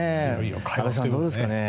安部さん、どうですかね。